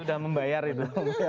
udah membayar itu